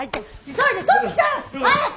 急いで取ってきて！早く！